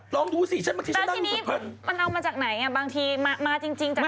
แล้วทีนี้มันเอามาจากไหนบางทีมาจริงจากการ